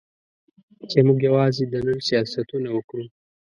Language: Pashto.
چې موږ یوازې د نن سیاستونه وکړو.